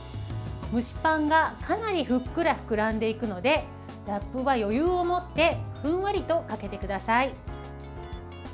蒸しパンが、かなりふっくら膨らんでいくのでラップは余裕を持ってふんわりとかけてください。